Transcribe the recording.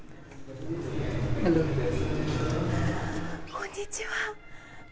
こんにちは。